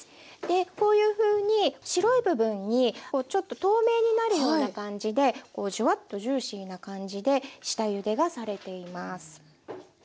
こういうふうに白い部分にちょっと透明になるような感じでジュワッとジューシーな感じで下ゆでがされています。